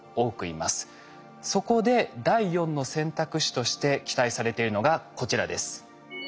そこで第４の選択肢として期待されているのがこちらです。